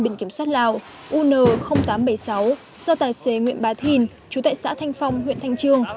bình kiểm soát lào un tám trăm bảy mươi sáu do tài xế nguyễn bà thìn chú tại xã thanh phong huyện thanh trường